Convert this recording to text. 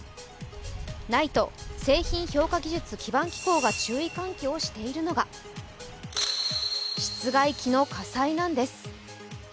ＮＩＴＥ＝製品評価技術基盤機構が注意喚起をしているのが室外機の火災なんです。